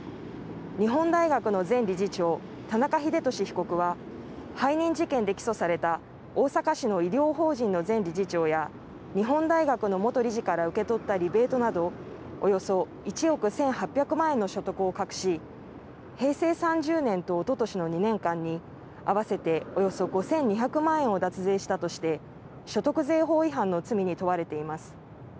日本大学の前理事長、田中英壽被告は背任事件で起訴された大阪市の医療法人の前理事長や日本大学の元理事から受け取ったリベートなどおよそ１億１８００万円の所得を隠し平成３０年とおととしの２年間に合わせておよそ５２００万円を脱税したとして所得税法違反の罪に問われています。